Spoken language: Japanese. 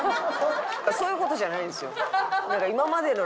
そういう事じゃないんですよ。